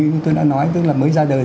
như tôi đã nói tức là mới ra đời